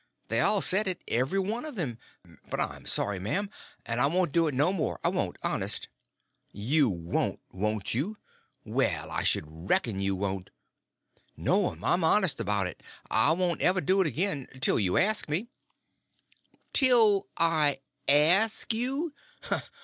They all said it—every one of them. But I'm sorry, m'am, and I won't do it no more—I won't, honest." "You won't, won't you? Well, I sh'd reckon you won't!" "No'm, I'm honest about it; I won't ever do it again—till you ask me." "Till I ask you!